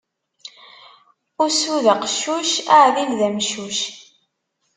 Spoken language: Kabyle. Usu d aqeccuc, aɛdil d ameccuc.